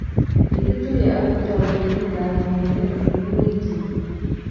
Kikituye ak Kiptoo betut netai kongete koki mengechen